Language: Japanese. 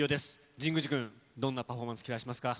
神宮寺君、どんなパフォーマンス、期待してますか？